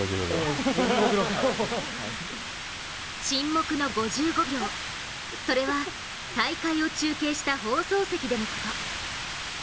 沈黙の５５秒、それは大会を中継した放送席でのこと。